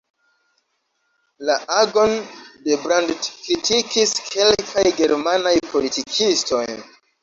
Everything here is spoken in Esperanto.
La agon de Brandt kritikis kelkaj germanaj politikistoj.